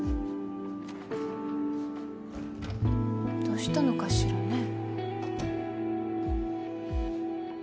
どうしたのかしらね？